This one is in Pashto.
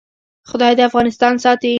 خدای دې افغانستان ساتي